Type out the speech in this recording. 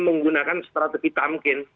menggunakan strategi tamkin